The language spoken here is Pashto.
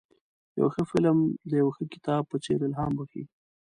یو ښه فلم د یو ښه کتاب په څېر الهام بخښي.